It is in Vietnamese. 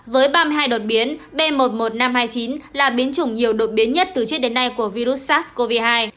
với ba mươi hai đột biến b một mươi một nghìn năm trăm hai mươi chín là biến chủng nhiều đột biến nhất từ trước đến nay của virus sars cov hai